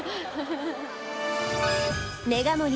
メガ盛り